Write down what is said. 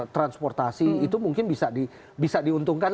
transportasi itu mungkin bisa diuntungkan